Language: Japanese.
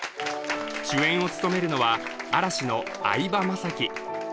主演を務めるのは嵐の相葉雅紀